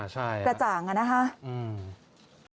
ใช่ค่ะประจ่างค่ะนะคะอืม